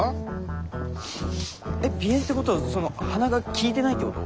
えっ鼻炎ってことはその鼻が利いてないってこと？